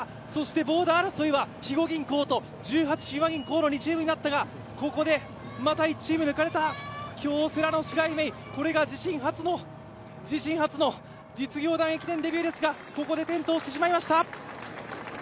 そしてボーダー争いは肥後銀行と十八親和銀行の２チームになったが、ここでまた１チーム抜かれた、京セラの白井、これが自身初の実業団駅伝ですがここで転倒してしまいました。